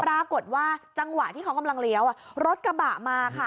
ปรากฏว่าจังหวะที่เขากำลังเลี้ยวรถกระบะมาค่ะ